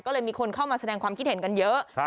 ก็เลยมีคนเข้ามาแสดงความคิดเห็นกันเยอะ